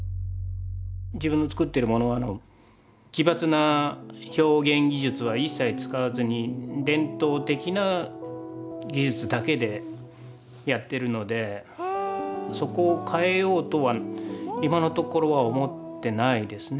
自分の作ってるものは奇抜な表現技術は一切使わずに伝統的な技術だけでやってるのでそこを変えようとは今のところは思ってないですね。